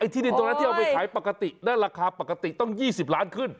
ที่ดินตรงนั้นที่เอาไปขายปกตินั่นราคาปกติต้อง๒๐ล้านขึ้น